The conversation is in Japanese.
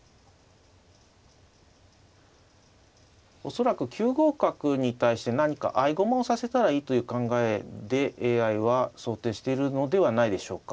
恐らく９五角に対して何か合駒をさせたらいいという考えでＡＩは想定しているのではないでしょうか。